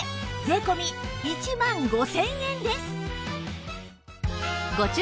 税込１万５０００円です！